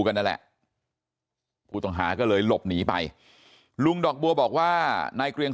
กันนั่นแหละผู้ต้องหาก็เลยหลบหนีไปลุงดอกบัวบอกว่านายเกรียง